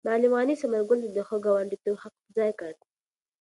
معلم غني ثمر ګل ته د ښه ګاونډیتوب حق په ځای کړ.